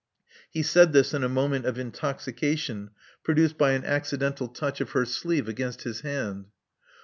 He said this in a moment of intoxication, produced by an accidental touch of her sleeve against his hand.